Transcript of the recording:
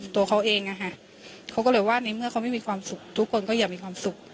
ตัวเขาเองเขาก็เลยว่าในเมื่อเขาไม่มีความสุขทุกคนก็อยากมีความสุข